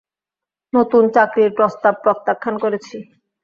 নতুন চাকরির প্রস্তাব প্রত্যাখ্যান করেছি।